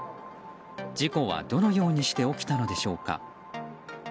事故は、どのようにして起きたのでしょうか。